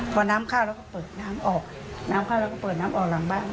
พอน้ำเข้าเราก็เปิดน้ำออกน้ำเข้าเราก็เปิดน้ำออกหลังบ้าน